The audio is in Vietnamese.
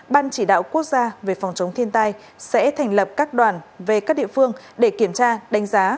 ban chỉ đạo quốc gia về phòng chống thiên tai sẽ thành lập các đoàn về các địa phương để kiểm tra đánh giá